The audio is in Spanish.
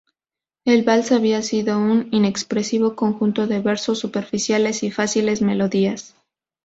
El vals había sido, un inexpresivo conjunto de versos superficiales y fáciles melodías.